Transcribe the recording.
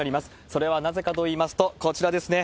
それはなぜかといいますと、こちらですね。